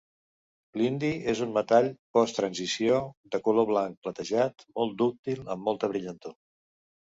L'indi és un metall post-transició de color blanc platejat, molt dúctil, amb molta brillantor.